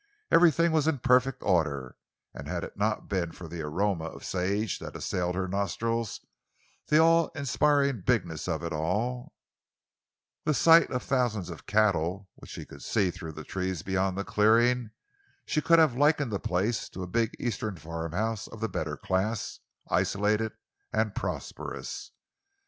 Everything was in perfect order, and had it not been for the aroma of the sage that assailed her nostrils, the awe inspiring bigness of it all, the sight of thousands of cattle—which she could see through the trees beyond the clearing, she could have likened the place to a big eastern farmhouse of the better class, isolated and prosperous.